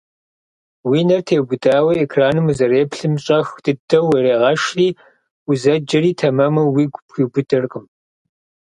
Уи нэр теубыдауэ экраным узэреплъым щӀэх дыдэу урегъэшри, узэджэри тэмэму уигу пхуиубыдэркъым.